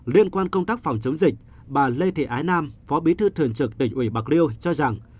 liên quan công tác phòng chống dịch bà lê thị ái nam phó bí thư thường trực tỉnh ubnd cho rằng